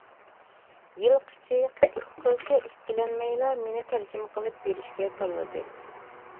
يىلقىچى قىلچە ئىككىلەنمەيلا مېنى تەرجىمە قىلىپ بېرىشكە تاللىدى.